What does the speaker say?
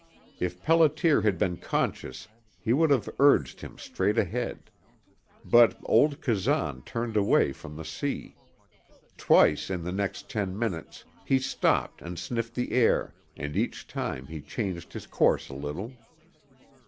If Pelliter had been conscious he would have urged him straight ahead. But old Kazan turned away from the sea. Twice in the next ten minutes he stopped and sniffed the air, and each time he changed his course a little.